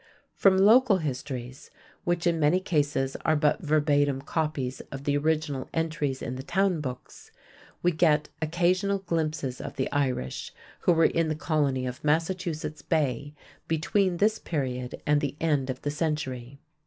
From local histories, which in many cases are but verbatim copies of the original entries in the Town Books, we get occasional glimpses of the Irish who were in the colony of Massachusetts Bay between this period and the end of the century.